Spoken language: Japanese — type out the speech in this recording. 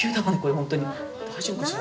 大丈夫かしら？